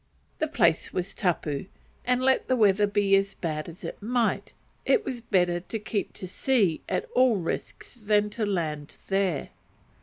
The place was tapu, and let the weather be as bad as it might, it was better to keep to sea at all risks than to land there.